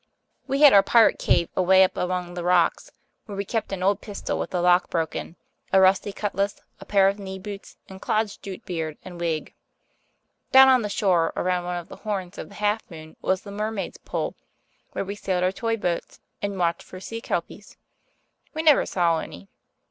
We had our pirate cave away up among the rocks, where we kept an old pistol with the lock broken, a rusty cutlass, a pair of knee boots, and Claude's jute beard and wig. Down on the shore, around one of the horns of the Half Moon, was the Mermaid's Pool, where we sailed our toy boats and watched for sea kelpies. We never saw any.